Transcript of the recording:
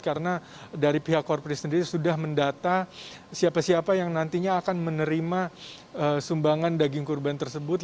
karena dari pihak korporasi sendiri sudah mendata siapa siapa yang nantinya akan menerima sumbangan daging kurban tersebut